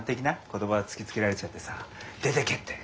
言葉突きつけられちゃってさ出てけって。